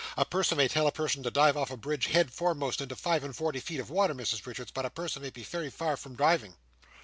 A person may tell a person to dive off a bridge head foremost into five and forty feet of water, Mrs Richards, but a person may be very far from diving."